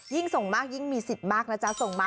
ส่งมากยิ่งมีสิทธิ์มากนะจ๊ะส่งมา